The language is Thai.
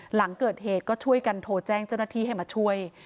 หลังเกิดเหตุก็ช่วยกันโทรแจ้งเจ้าหน้าที่ให้มาช่วย